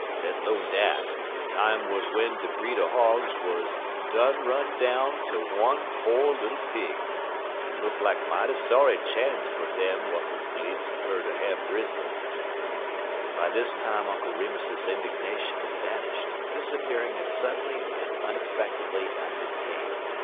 Let 'lone dat, de time wuz w'en de breed er hogs wuz done run down ter one po' little pig, en it look lak mighty sorry chance fer dem w'at was bleedzd ter have bristle." By this time Uncle Remus's indignation had vanished, disappearing as suddenly and unexpectedly as it came.